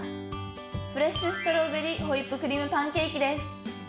フレッシュストロベリーホイップクリームパンケーキです。